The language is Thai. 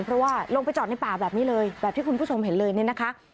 เพราะว่าลงไปจอดในป่าแบบนี้เลยแบบที่คุณผู้ชมเห็นเลยเนี่ยนะคะ